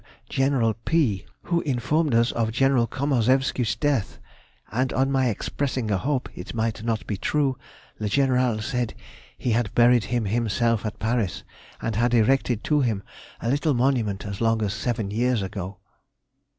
General P., who informed us of General Komarzewsky's death, and on my expressing a hope it might not be true, le Général said he had buried him himself at Paris, and had erected to him a little monument as long as seven years ago.